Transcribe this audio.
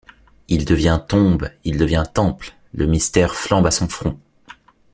Il devient tombe, il devient temple ; Le mystère flambe à son front.